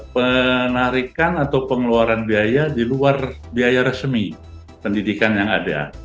penarikan atau pengeluaran biaya di luar biaya resmi pendidikan yang ada